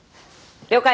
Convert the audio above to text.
了解！